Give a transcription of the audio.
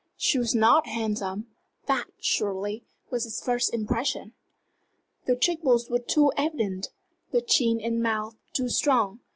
She was not handsome that, surely, was his first impression? The cheek bones were too evident, the chin and mouth too strong.